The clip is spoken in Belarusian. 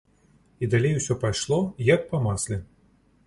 І далей усё пайшло, як па масле.